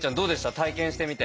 体験してみて。